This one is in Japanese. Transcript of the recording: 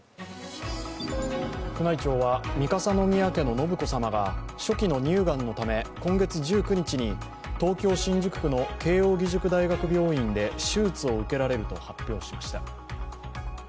宮内庁は三笠宮家の信子さまが、初期の乳がんのため今月１９日に東京・新宿区の慶応義塾大学病院で手術を受けられると発表しました。